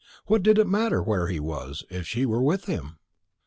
What did it matter where he was, if she were with him?